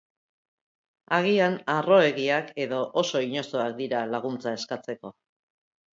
Agian harroegiak edo oso inozoak dira laguntza eskatzeko.